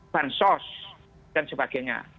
bansos dan sebagainya